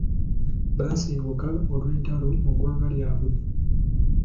Baasenguka olw'entalo mu ggwanga lyabwe.